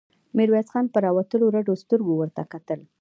ميرويس خان په راوتلو رډو سترګو ورته کتل.